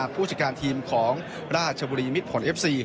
ผู้จัดการทีมของราชบุรีมิดผลเอฟซี